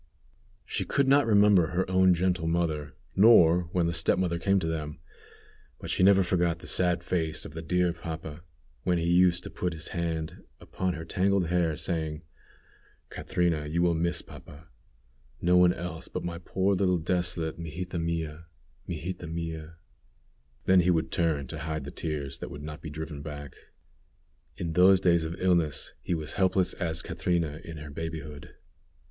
She could not remember her own gentle mother, nor when the step mother came to them, but she never forgot the sad face of the dear papa, when he used to put his hand upon her tangled hair, saying: "Catrina, you will miss papa; no one else but my poor little desolate Mijita mia, Mijita mia." Then he would turn to hide the tears that would not be driven back. In those days of illness he was helpless as Catrina in her babyhood.